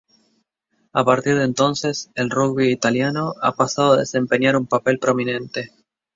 A partir de entonces, el rugby italiano ha pasado a desempeñar un papel prominente.